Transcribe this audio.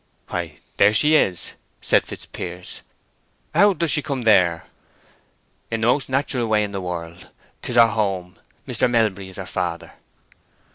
"Why, there she is!" said Fitzpiers. "How does she come there?" "In the most natural way in the world. It is her home. Mr. Melbury is her father."